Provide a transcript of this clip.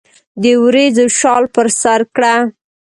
د وریځو شال پر سرکړه